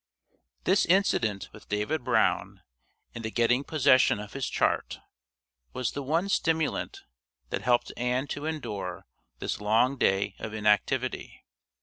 This incident with David Brown and the getting possession of his chart was the one stimulant that helped Ann to endure this long day of inactivity.